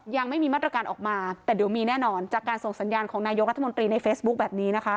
ยังไม่มีมาตรการออกมาแต่เดี๋ยวมีแน่นอนจากการส่งสัญญาณของนายกรัฐมนตรีในเฟซบุ๊คแบบนี้นะคะ